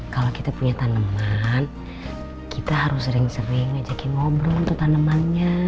kalau kita punya tanaman kita harus sering sering ngajakin ngobrol untuk tanamannya